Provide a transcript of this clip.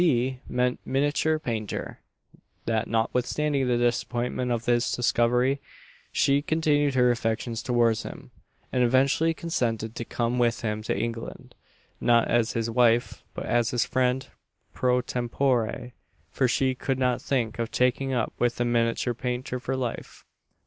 P. meant Miniature Painter. That notwithstanding the disappointment of this discovery, she continued her affections towards him, and eventually consented to come with him to England not as his wife, but as his friend pro tempore; for she could not think of taking up with a miniature painter for life.